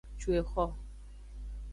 Cu exo.